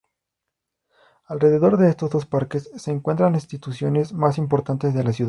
Alrededor de estos dos parques se encuentran las instituciones más importantes de la ciudad.